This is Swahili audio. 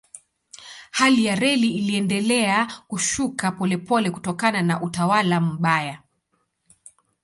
Hali ya reli iliendelea kushuka polepole kutokana na utawala mbaya.